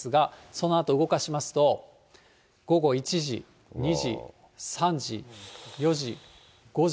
そのあと動かしますと、午後１時、２時、３時、４時、５時。